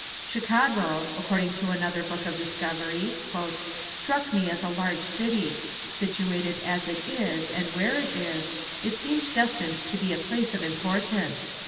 "Chicago," according to another book of discovery, "struck me as a large city. Situated as it is and where it is, it seems destined to be a place of importance."